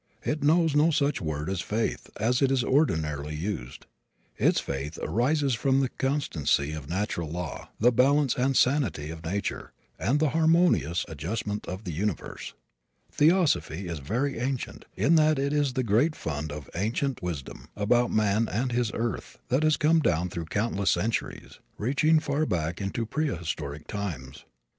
It knows no such word as "faith," as it is ordinarily used. Its faith arises from the constancy of natural law, the balance and sanity of nature, and the harmonious adjustment of the universe. Theosophy is very ancient in that it is the great fund of ancient wisdom about man and his earth, that has come down through countless centuries, reaching far back into prehistoric times.